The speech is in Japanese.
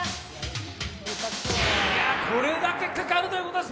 これだけかかるということです